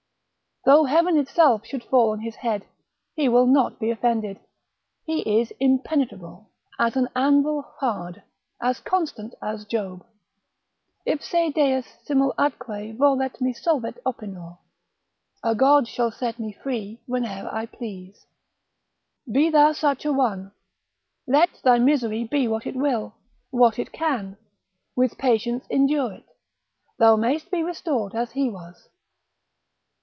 Though heaven itself should fall on his head, he will not be offended. He is impenetrable, as an anvil hard, as constant as Job. Ipse deus simul atque volet me solvet opinor. A God shall set me free whene'er I please. Be thou such a one; let thy misery be what it will, what it can, with patience endure it; thou mayst be restored as he was.